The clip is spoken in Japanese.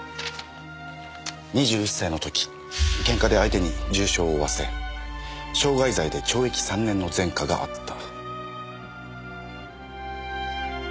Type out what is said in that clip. ２１歳の時ケンカで相手に重傷を負わせ傷害罪で懲役３年の前科があった。